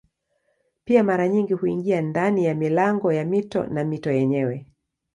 Pia mara nyingi huingia ndani ya milango ya mito na mito yenyewe.